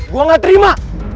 gue gak terima